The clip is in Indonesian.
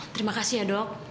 terima kasih ya dok